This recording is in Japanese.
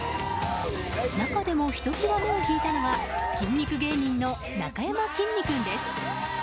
中でも、ひときわ目を引いたのは筋肉芸人のなかやまきんに君です。